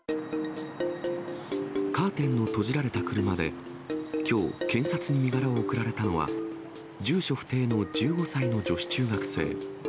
カーテンの閉じられた車できょう、検察に身柄を送られたのは、住所不定の１５歳の女子中学生。